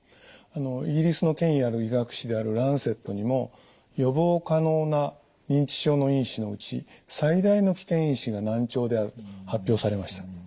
イギリスの権威ある医学誌である「ランセット」にも「予防可能な認知症の因子のうち最大の危険因子が難聴である」と発表されました。